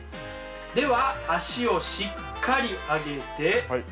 では足をしっかり上げて。